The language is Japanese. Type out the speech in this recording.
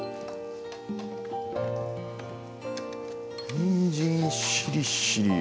にんじんしりしりー